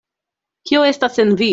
Kio estas en vi?